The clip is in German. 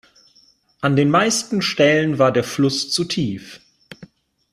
An den meisten Stellen war der Fluss zu tief.